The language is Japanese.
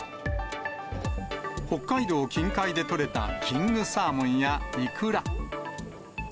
北海道近海で取れたキングサーモンやイクラ。